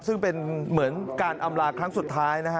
ซึ่งเป็นเหมือนการอำลาครั้งสุดท้ายนะฮะ